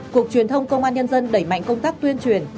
cục truyền thông công an nhân dân đẩy mạnh công tác tuyên truyền